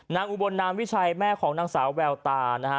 อุบลนามวิชัยแม่ของนางสาวแววตานะฮะ